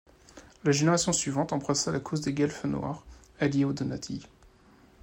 La génération suivante embrassa la cause des guelfes noirs, alliée aux Donati.